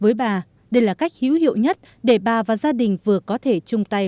với bà đây là cách hữu hiệu nhất để bà và gia đình vừa có thể chung tay